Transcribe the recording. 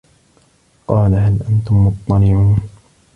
قالَ هَل أَنتُم مُطَّلِعونَ